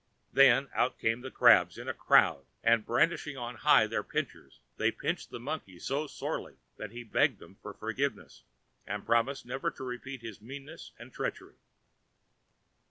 Then out came the crabs in a crowd, and brandishing on high their pinchers they pinched the Monkey so sorely that he begged them for forgiveness and promised never to repeat his meanness and treachery.